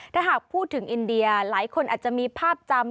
ถ้าหากพูดถึงอินเดียหลายคนอาจจะมีภาพจำ